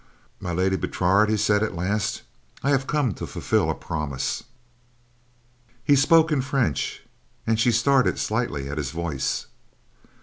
"My Lady Bertrade," he said at last, "I have come to fulfill a promise." He spoke in French, and she started slightly at his voice.